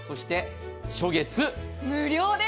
初月無料です。